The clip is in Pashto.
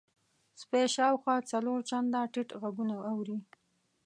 سپی شاوخوا څلور چنده ټیټ غږونه اوري.